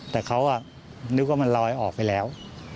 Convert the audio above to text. แต่เขานึกว่ามันลอยออกไปแล้ว